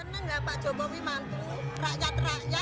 senang gak pak jokowi mantu rakyat rakyat rakyat